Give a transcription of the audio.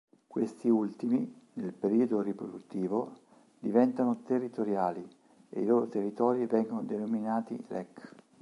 Questi ultimi nel periodo riproduttivo diventano territoriali, e i loro territori vengono denominati "lek".